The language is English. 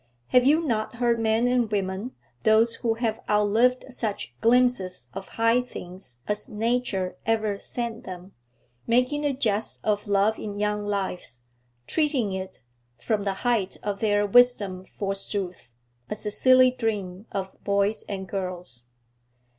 Have you not heard men and women, those who have outlived such glimpses of high things as nature ever sent them, making a jest of love in young lives, treating it, from the height of their wisdom forsooth, as a silly dream of boys and girls?